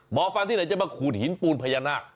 หมอฟันที่ไหนจะมาขูดหินปูนพญานาค